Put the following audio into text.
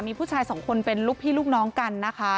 มีผู้ชายสองคนเป็นลูกพี่ลูกน้องกันนะคะ